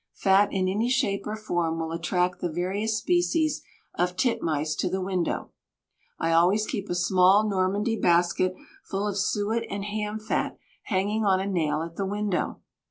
Fat in any shape or form will attract the various species of titmice to the window. I always keep a small Normandy basket full of suet and ham fat hanging on a nail at the window.